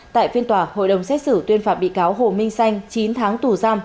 tại phiên tòa hội đồng xét xử tuyên phạt bị cáo hồ minh xanh chín tháng tù giam